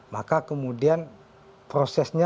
maka kemudian prosesnya